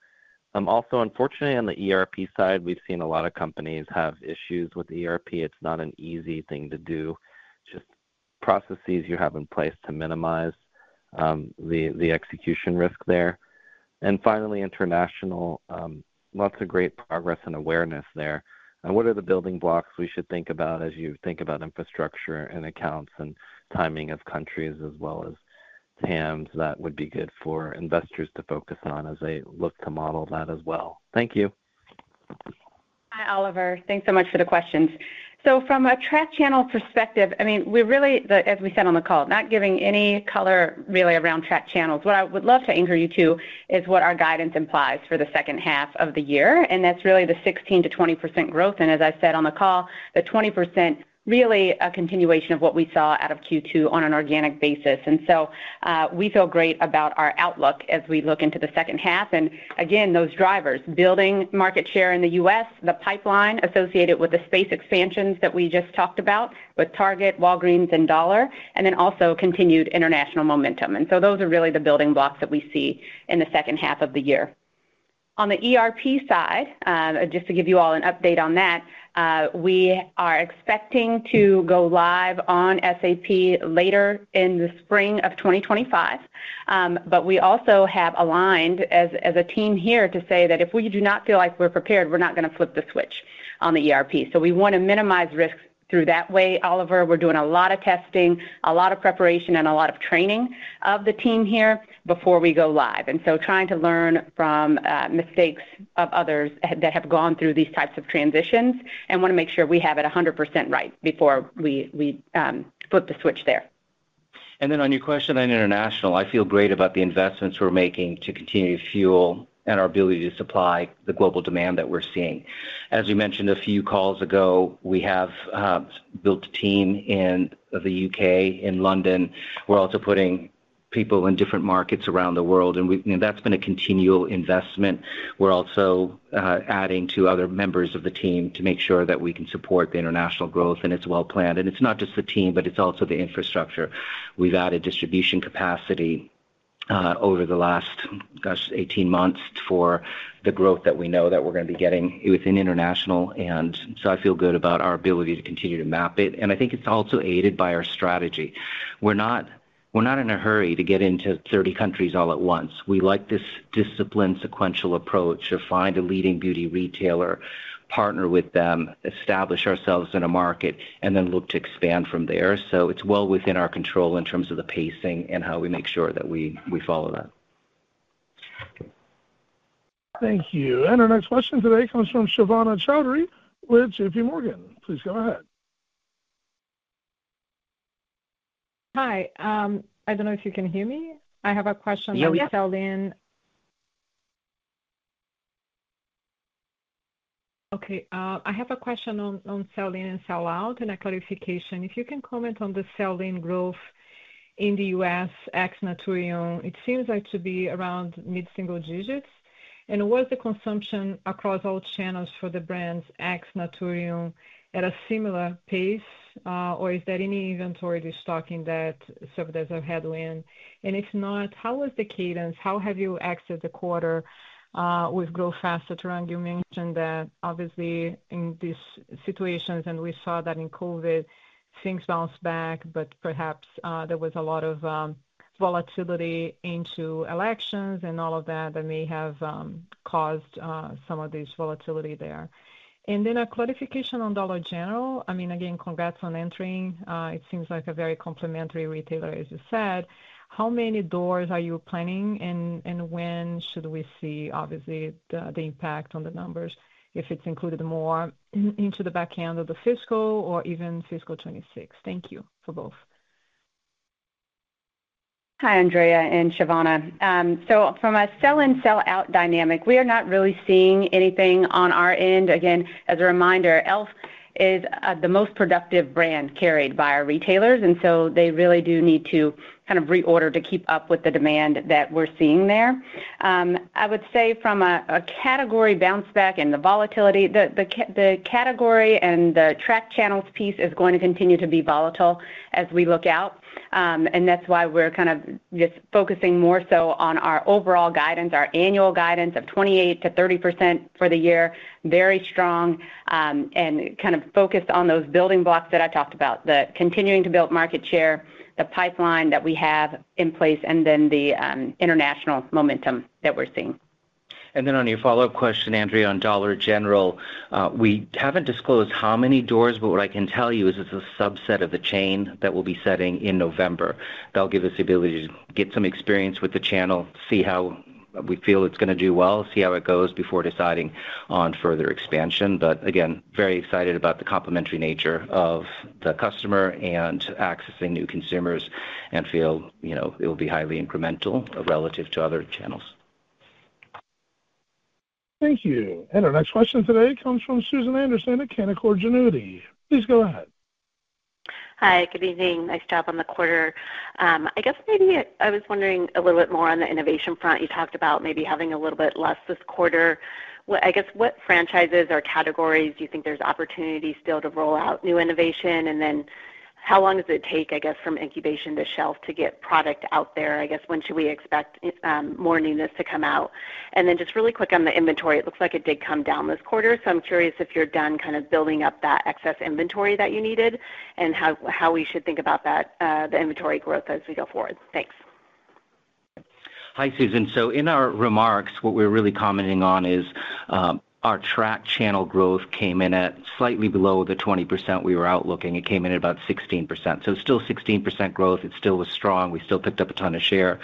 Also, unfortunately, on the ERP side, we've seen a lot of companies have issues with ERP. It's not an easy thing to do. Just processes you have in place to minimize the execution risk there. And finally, international, lots of great progress and awareness there. And what are the building blocks we should think about as you think about infrastructure and accounts and timing of countries as well as TAMs that would be good for investors to focus on as they look to model that as well? Thank you. Hi, Oliver. Thanks so much for the questions. So from a tracked channel perspective, I mean, we're really, as we said on the call, not giving any color really around tracked channels. What I would love to anchor you to is what our guidance implies for the second half of the year, and that's really the 16%-20% growth. As I said on the call, the 20% really a continuation of what we saw out of Q2 on an organic basis, so we feel great about our outlook as we look into the second half. Again, those drivers, building market share in the U.S., the pipeline associated with the space expansions that we just talked about with Target, Walgreens, and Dollar, and then also continued international momentum, so those are really the building blocks that we see in the second half of the year. On the ERP side, just to give you all an update on that, we are expecting to go live on SAP later in the spring of 2025. But we also have aligned as a team here to say that if we do not feel like we're prepared, we're not going to flip the switch on the ERP. So we want to minimize risks through that way. Oliver, we're doing a lot of testing, a lot of preparation, and a lot of training of the team here before we go live, and so trying to learn from mistakes of others that have gone through these types of transitions and want to make sure we have it 100% right before we flip the switch there. And then on your question on international, I feel great about the investments we're making to continue to fuel and our ability to supply the global demand that we're seeing. As we mentioned a few calls ago, we have built a team in the U.K. in London. We're also putting people in different markets around the world. And that's been a continual investment. We're also adding to other members of the team to make sure that we can support the international growth. And it's well planned. And it's not just the team, but it's also the infrastructure. We've added distribution capacity over the last, gosh, 18 months for the growth that we know that we're going to be getting within international. And so I feel good about our ability to continue to map it. And I think it's also aided by our strategy. We're not in a hurry to get into 30 countries all at once. We like this disciplined sequential approach to find a leading beauty retailer, partner with them, establish ourselves in a market, and then look to expand from there. So it's well within our control in terms of the pacing and how we make sure that we follow that. Thank you. And our next question today comes from Shivan Chowdhury with J.P. Morgan. Please go ahead. Hi. I don't know if you can hear me. I have a question on sell-in. Okay. I have a question on sell-in and sell-out and a clarification. If you can comment on the sell-in growth in the U.S., ex-Naturium, it seems like to be around mid-single digits. And was the consumption across all channels for the brands ex-Naturium at a similar pace, or is there any inventory stock in that source of headwind? If not, how was the cadence? How have you assessed the quarter with growth faster? You mentioned that obviously in these situations, and we saw that in COVID, things bounced back, but perhaps there was a lot of volatility into elections and all of that that may have caused some of this volatility there. Then a clarification on Dollar General. I mean, again, congrats on entering. It seems like a very complimentary retailer, as you said. How many doors are you planning, and when should we see, obviously, the impact on the numbers if it's included more into the back end of the fiscal or even fiscal 2026? Thank you for both. Hi, Andrea and Shivan. So, from a sell-in, sell-out dynamic, we are not really seeing anything on our end. Again, as a reminder, elf is the most productive brand carried by our retailers. And so they really do need to kind of reorder to keep up with the demand that we're seeing there. I would say from a category bounce back and the volatility, the category and the tracked channels piece is going to continue to be volatile as we look out. And that's why we're kind of just focusing more so on our overall guidance, our annual guidance of 28%-30% for the year, very strong and kind of focused on those building blocks that I talked about, the continuing to build market share, the pipeline that we have in place, and then the international momentum that we're seeing. And then on your follow-up question, Andrea, on Dollar General, we haven't disclosed how many doors, but what I can tell you is it's a subset of the chain that we'll be starting in November. That'll give us the ability to get some experience with the channel, see how we feel it's going to do well, see how it goes before deciding on further expansion. But again, very excited about the complementary nature of the customer and accessing new consumers and feel it will be highly incremental relative to other channels. Thank you. And our next question today comes from Susan Anderson at Canaccord Genuity. Please go ahead. Hi. Good evening. Nice job on the quarter. I guess maybe I was wondering a little bit more on the innovation front. You talked about maybe having a little bit less this quarter. I guess what franchises or categories do you think there's opportunity still to roll out new innovation? And then how long does it take, I guess, from incubation to shelf to get product out there? I guess when should we expect more newness to come out? And then just really quick on the inventory, it looks like it did come down this quarter. So I'm curious if you're done kind of building up that excess inventory that you needed and how we should think about that, the inventory growth as we go forward. Thanks. Hi, Susan. So in our remarks, what we're really commenting on is our tracked channel growth came in at slightly below the 20% we were outlooking. It came in at about 16%. So still 16% growth. It still was strong. We still picked up a ton of share.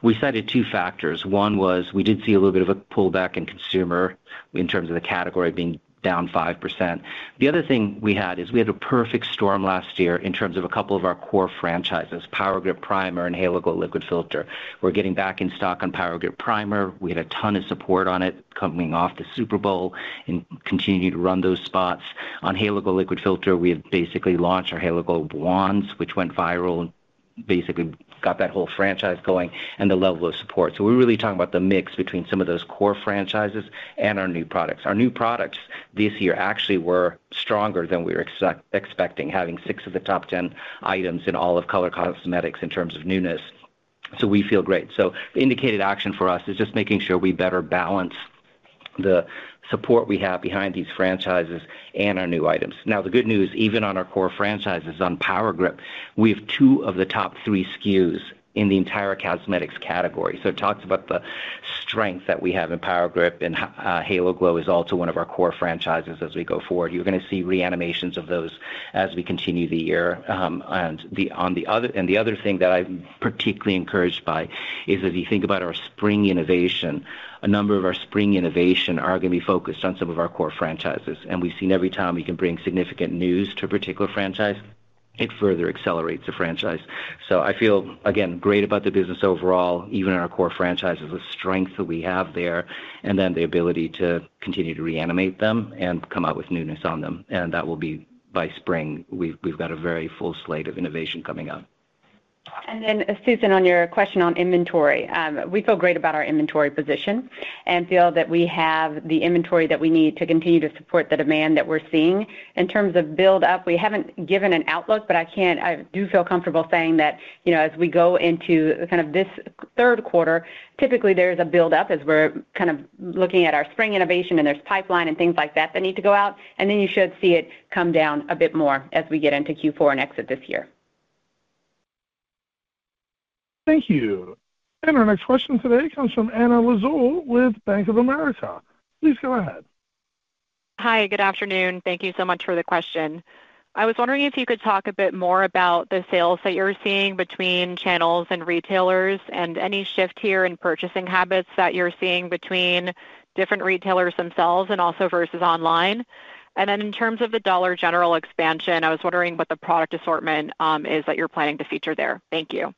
We cited two factors. One was we did see a little bit of a pullback in consumer in terms of the category being down 5%. The other thing we had is we had a perfect storm last year in terms of a couple of our core franchises, Power Grip Primer and Halo Glow Liquid Filter. We're getting back in stock on Power Grip Primer. We had a ton of support on it coming off the Super Bowl and continue to run those spots. On Halo Glow Liquid Filter, we have basically launched our Halo Glow Wands, which went viral and basically got that whole franchise going and the level of support. So we're really talking about the mix between some of those core franchises and our new products. Our new products this year actually were stronger than we were expecting, having six of the top 10 items in all of color cosmetics in terms of newness. So we feel great. So the indicated action for us is just making sure we better balance the support we have behind these franchises and our new items. Now, the good news, even on our core franchises on Power Grip, we have two of the top three SKUs in the entire cosmetics category. So it talks about the strength that we have in Power Grip and Halo Glow is also one of our core franchises as we go forward. You're going to see reanimations of those as we continue the year. And the other thing that I'm particularly encouraged by is if you think about our spring innovation, a number of our spring innovation are going to be focused on some of our core franchises. And we've seen every time we can bring significant news to a particular franchise, it further accelerates a franchise. I feel, again, great about the business overall, even in our core franchises, the strength that we have there, and then the ability to continue to reanimate them and come out with newness on them. That will be by spring. We've got a very full slate of innovation coming up. Susan, on your question on inventory, we feel great about our inventory position and feel that we have the inventory that we need to continue to support the demand that we're seeing. In terms of build-up, we haven't given an outlook, but I do feel comfortable saying that as we go into kind of this third quarter, typically there's a build-up as we're kind of looking at our spring innovation and there's pipeline and things like that that need to go out. And then you should see it come down a bit more as we get into Q4 and exit this year. Thank you. And our next question today comes from Anna Lizzul with Bank of America. Please go ahead. Hi. Good afternoon. Thank you so much for the question. I was wondering if you could talk a bit more about the sales that you're seeing between channels and retailers and any shift here in purchasing habits that you're seeing between different retailers themselves and also versus online. And then in terms of the Dollar General expansion, I was wondering what the product assortment is that you're planning to feature there. Thank you.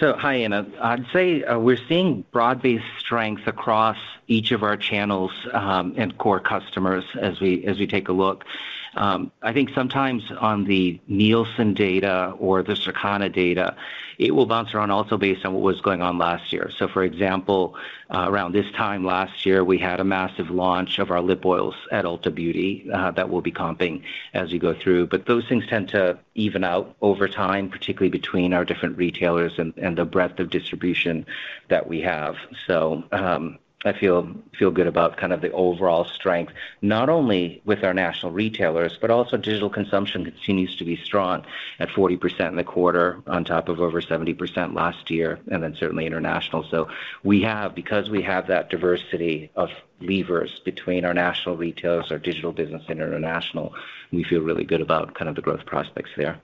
So hi, Anna. I'd say we're seeing broad-based strength across each of our channels and core customers as we take a look. I think sometimes on the Nielsen data or the Circana data, it will bounce around also based on what was going on last year. So for example, around this time last year, we had a massive launch of our lip oils at Ulta Beauty that will be comping as you go through. But those things tend to even out over time, particularly between our different retailers and the breadth of distribution that we have. So I feel good about kind of the overall strength, not only with our national retailers, but also digital consumption continues to be strong at 40% in the quarter on top of over 70% last year, and then certainly international. So because we have that diversity of levers between our national retailers, our digital business, and international, we feel really good about kind of the growth prospects there.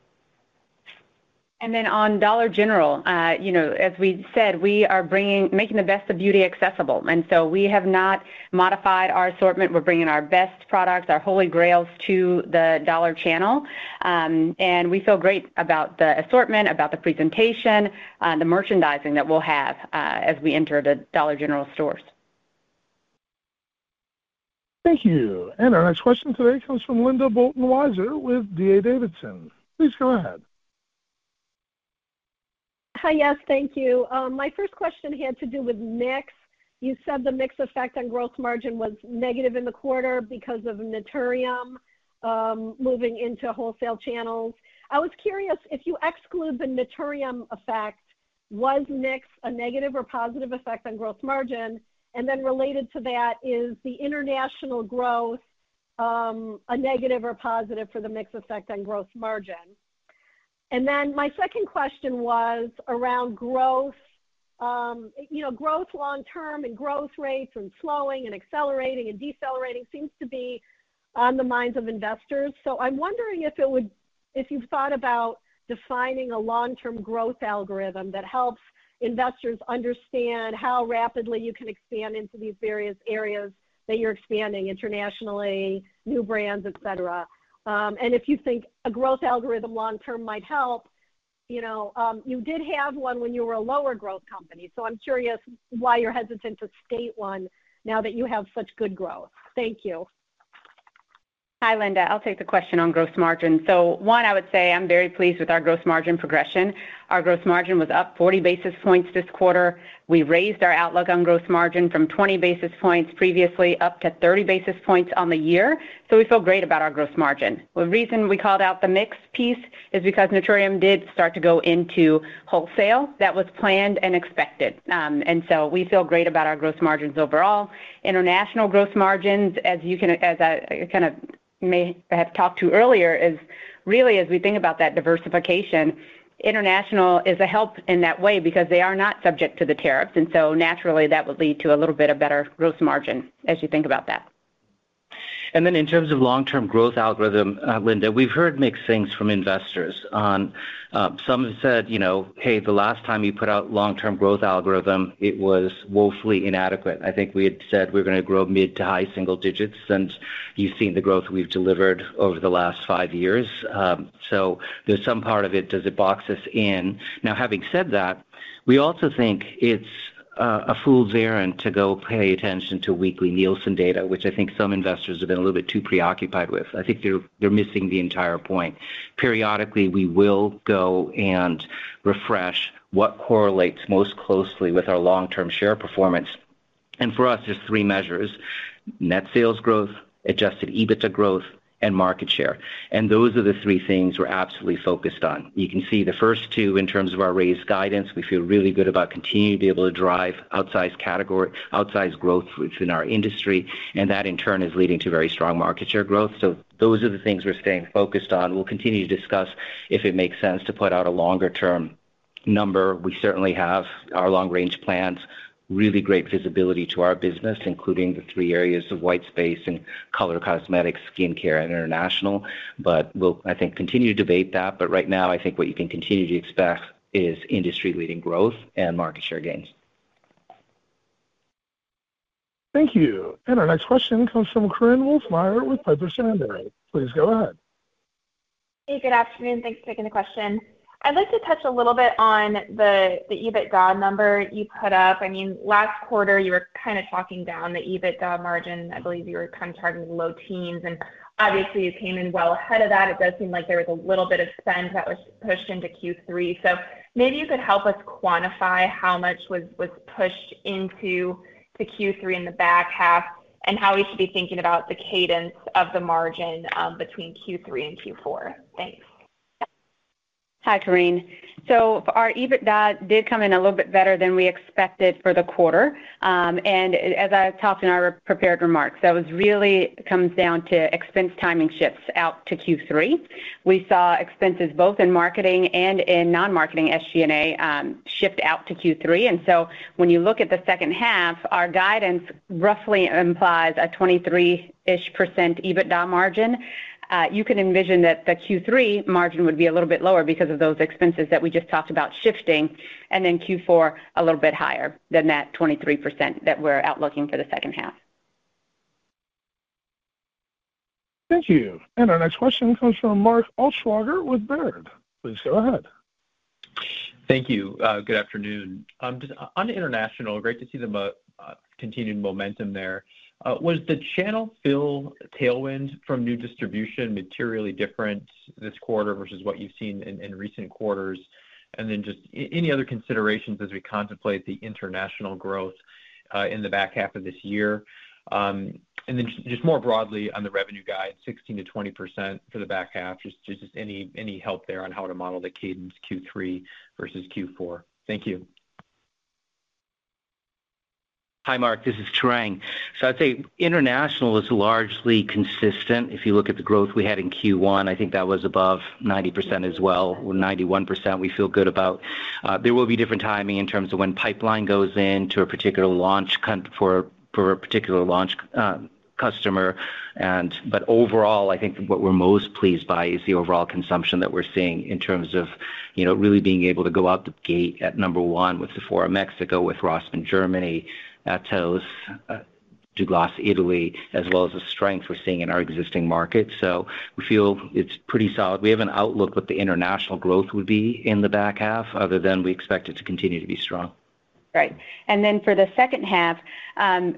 Then on Dollar General, as we said, we are making the best of beauty accessible. So we have not modified our assortment. We're bringing our best products, our holy grails, to the dollar channel. And we feel great about the assortment, about the presentation, the merchandising that we'll have as we enter the Dollar General stores. Thank you. Our next question today comes from Linda Bolton Weiser with D.A. Davidson. Please go ahead. Hi, yes. Thank you. My first question had to do with mix You said the mix effect on gross margin was negative in the quarter because of Naturium moving into wholesale channels. I was curious, if you exclude the Naturium effect, was mix a negative or positive effect on gross margin? And then related to that, is the international growth a negative or positive for the mix effect on gross margin? And then my second question was around growth, growth long-term and growth rates and slowing and accelerating and decelerating seems to be on the minds of investors. So I'm wondering if you've thought about defining a long-term growth algorithm that helps investors understand how rapidly you can expand into these various areas that you're expanding internationally, new brands, etc. And if you think a growth algorithm long-term might help, you did have one when you were a lower-growth company. So I'm curious why you're hesitant to state one now that you have such good growth. Thank you. Hi, Linda. I'll take the question on gross margin. So one, I would say I'm very pleased with our gross margin progression. Our gross margin was up 40 basis points this quarter. We raised our outlook on gross margin from 20 basis points previously up to 30 basis points on the year. We feel great about our gross margin. The reason we called out the mix piece is because Naturium did start to go into wholesale. That was planned and expected. We feel great about our gross margins overall. International gross margins, as you kind of may have talked to earlier, are really, as we think about that diversification, international is a help in that way because they are not subject to the tariffs. Naturally, that would lead to a little bit of better gross margin as you think about that. In terms of long-term growth algorithm, Linda, we've heard mixed things from investors. Some have said, "Hey, the last time you put out long-term growth algorithm, it was woefully inadequate." I think we had said we're going to grow mid to high single digits, and you've seen the growth we've delivered over the last five years. So there's some part of it does it box us in. Now, having said that, we also think it's a fool's errand to go pay attention to weekly Nielsen data, which I think some investors have been a little bit too preoccupied with. I think they're missing the entire point. Periodically, we will go and refresh what correlates most closely with our long-term share performance. And for us, there's three measures: net sales growth, adjusted EBITDA growth, and market share. And those are the three things we're absolutely focused on. You can see the first two in terms of our raised guidance. We feel really good about continuing to be able to drive outsized growth within our industry, and that, in turn, is leading to very strong market share growth. Those are the things we're staying focused on. We'll continue to discuss if it makes sense to put out a longer-term number. We certainly have our long-range plans, really great visibility to our business, including the three areas of white space and color cosmetics, skincare, and international. We'll, I think, continue to debate that. Right now, I think what you can continue to expect is industry-leading growth and market share gains. Thank you. Our next question comes from Korinne Wolfmeyer with Piper Sandler. Please go ahead. Hey, good afternoon. Thanks for taking the question. I'd like to touch a little bit on the EBITDA number you put up. I mean, last quarter, you were kind of talking down the EBITDA margin. I believe you were kind of targeting the low teens. And obviously, you came in well ahead of that. It does seem like there was a little bit of spend that was pushed into Q3. So maybe you could help us quantify how much was pushed into Q3 in the back half and how we should be thinking about the cadence of the margin between Q3 and Q4. Thanks. Hi, Korinne. So our EBITDA did come in a little bit better than we expected for the quarter. And as I talked in our prepared remarks, that really comes down to expense timing shifts out to Q3. We saw expenses both in marketing and in non-marketing SG&A shift out to Q3. And so when you look at the second half, our guidance roughly implies a 23-ish% EBITDA margin. You can envision that the Q3 margin would be a little bit lower because of those expenses that we just talked about shifting, and then Q4 a little bit higher than that 23% that we're outlining for the second half. Thank you. And our next question comes from Mark Altschwager with Baird. Please go ahead. Thank you. Good afternoon. On the international, great to see the continued momentum there. Was the channel fill tailwind from new distribution materially different this quarter versus what you've seen in recent quarters? And then just any other considerations as we contemplate the international growth in the back half of this year? And then just more broadly on the revenue guide, 16%-20% for the back half, just any help there on how to model the cadence Q3 versus Q4? Thank you. Hi, Mark. This is Tarang. I'd say international is largely consistent. If you look at the growth we had in Q1, I think that was above 90% as well, or 91%. We feel good about there will be different timing in terms of when pipeline goes into a particular launch for a particular launch customer. But overall, I think what we're most pleased by is the overall consumption that we're seeing in terms of really being able to go out the gate at number one with Sephora Mexico, with Rossmann Germany, Etos, Douglas Italy, as well as the strength we're seeing in our existing market. So we feel it's pretty solid. We have an outlook what the international growth would be in the back half other than we expect it to continue to be strong. Right. And then for the second half,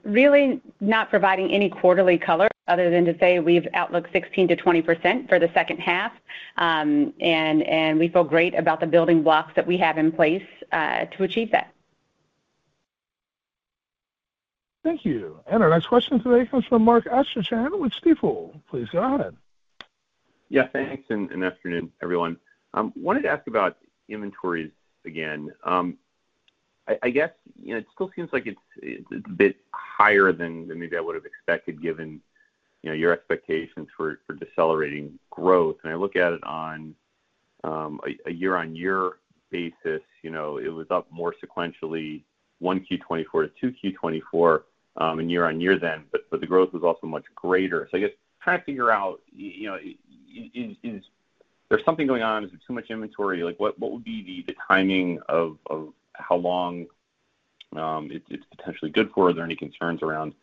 really not providing any quarterly color other than to say we've outlooked 16%-20% for the second half. And we feel great about the building blocks that we have in place to achieve that. Thank you. And our next question today comes from Mark Astrachan with Stifel. Please go ahead. Yes, thanks. Good afternoon, everyone. I wanted to ask about inventories again. I guess it still seems like it's a bit higher than maybe I would have expected given your expectations for decelerating growth. And I look at it on a year-on-year basis. It was up more sequentially one Q24 to two Q24 and year-on-year then, but the growth was also much greater. So, I guess trying to figure out, is there something going on? Is there too much inventory? What would be the timing of how long it's potentially good for? Are there any concerns around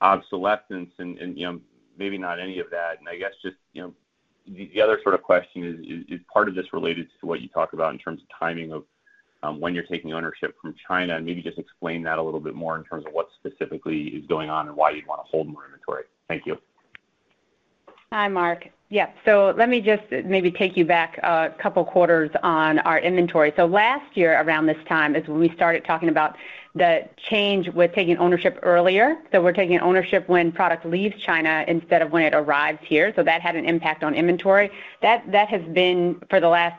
obsolescence? And maybe not any of that. And I guess just the other sort of question is, is part of this related to what you talk about in terms of timing of when you're taking ownership from China? And maybe just explain that a little bit more in terms of what specifically is going on and why you'd want to hold more inventory. Thank you. Hi, Mark. Yep. So let me just maybe take you back a couple quarters on our inventory. So last year around this time is when we started talking about the change with taking ownership earlier. So we're taking ownership when product leaves China instead of when it arrives here. So that had an impact on inventory. That has been for the last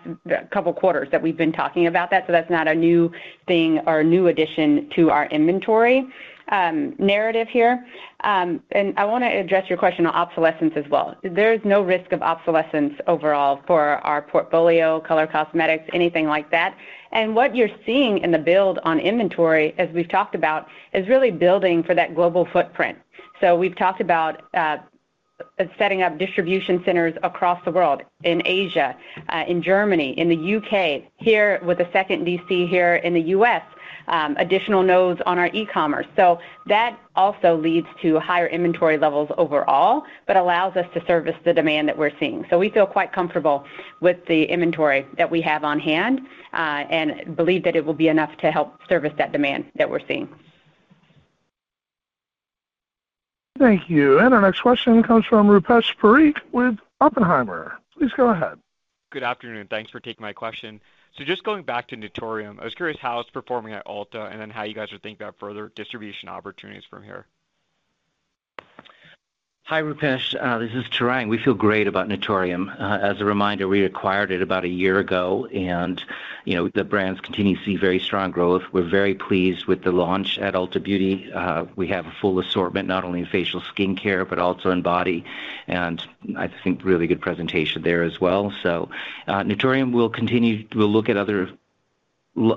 couple quarters that we've been talking about that. So that's not a new thing or a new addition to our inventory narrative here. And I want to address your question on obsolescence as well. There is no risk of obsolescence overall for our portfolio, color cosmetics, anything like that. And what you're seeing in the build on inventory, as we've talked about, is really building for that global footprint. So we've talked about setting up distribution centers across the world, in Asia, in Germany, in the U.K., here with a second DC here in the U.S., additional nodes on our E-Commerce. So that also leads to higher inventory levels overall, but allows us to service the demand that we're seeing. So we feel quite comfortable with the inventory that we have on hand and believe that it will be enough to help service that demand that we're seeing. Thank you. And our next question comes from Rupesh Parikh with Oppenheimer. Please go ahead. Good afternoon. Thanks for taking my question. So just going back to Naturium, I was curious how it's performing at Ulta and then how you guys are thinking about further distribution opportunities from here. Hi, Rupesh. This is Tarang. We feel great about Naturium. As a reminder, we acquired it about a year ago, and the brand's continued to see very strong growth. We're very pleased with the launch at Ulta Beauty. We have a full assortment, not only in facial skincare, but also in body. And I think really good presentation there as well. Naturium will continue to look at other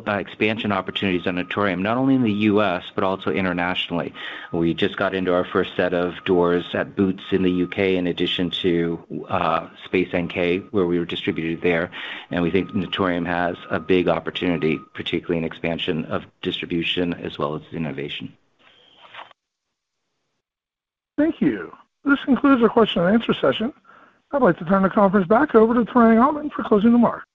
expansion opportunities on Naturium, not only in the U.S., but also internationally. We just got into our first set of doors at Boots in the U.K. in addition to Space NK, where we were distributed there. We think Naturium has a big opportunity, particularly in expansion of distribution as well as innovation. Thank you. This concludes our question and answer session. I'd like to turn the conference back over to Tarang Amin for closing remarks.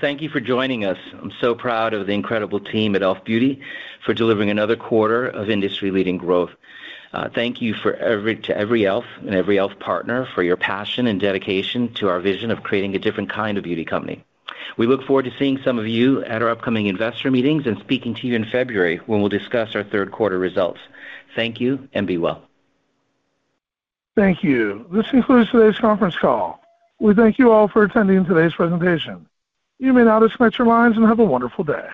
Thank you for joining us. I'm so proud of the incredible team at e.l.f. Beauty for delivering another quarter of industry-leading growth. Thank you to every e.l.f. and every e.l.f. partner for your passion and dedication to our vision of creating a different kind of beauty company. We look forward to seeing some of you at our upcoming investor meetings and speaking to you in February when we'll discuss our third quarter results. Thank you and be well. Thank you. This concludes today's conference call. We thank you all for attending today's presentation. You may now disconnect your lines and have a wonderful day.